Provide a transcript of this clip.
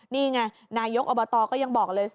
นี่ไงนายกอบตก็ยังบอกเลย